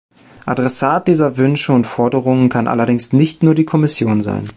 Adressat dieser Wünsche und Forderungen kann allerdings nicht nur die Kommission sein.